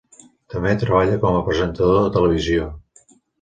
També treballa com a presentador de televisió.